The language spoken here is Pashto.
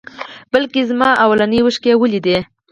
بلکې زما لومړنۍ اوښکې یې ولیدې.